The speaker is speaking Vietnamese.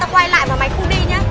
tao quay lại vào máy khu đi nhá